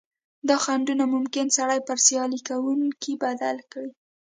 دا خنډونه ممکن سړی پر سیالي کوونکي بدل کړي.